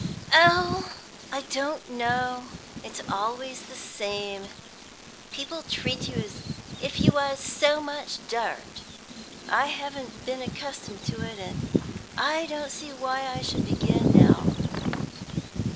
"Oh, I don't know; it's always the same; people treat you as if you was so much dirt. I haven't been accustomed to it, and I don't see why I should begin now.